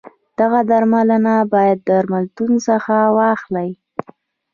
دغه درمل باید درملتون څخه واخلی.